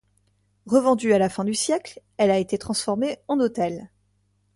Revendue à la fin du siècle, elle a été transformée en hôtel.